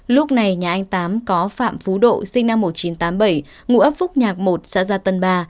lúc này nhà anh tám có phạm phú độ sinh năm một nghìn chín trăm tám mươi bảy ngụ ấp phúc nhạc một xã gia tân ba